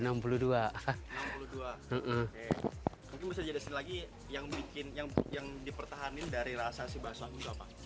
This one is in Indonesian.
mungkin bisa jadi sini lagi yang dipertahankan dari rasa si bakso hakim itu apa